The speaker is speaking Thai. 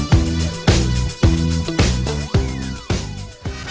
โปรดติดตามตอนต่อไป